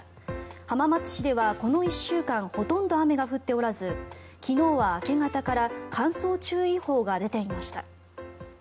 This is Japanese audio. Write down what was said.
浜松市ではこの１週間ほとんど雨が降っておらず昨日は明け方から乾燥注意報が出ていました。